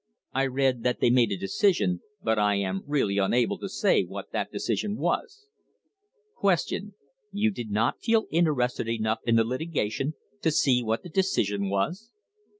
I read that they made a decision, but I am really unable to say what that decision was. Q. You did not feel interested enough in the litigation to see what the decision was